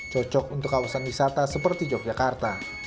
cocok untuk kawasan wisata seperti yogyakarta